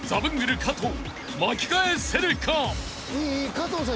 加藤さん